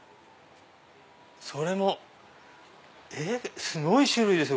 それもすごい種類ですよ